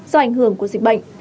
do ảnh hưởng của dịch bệnh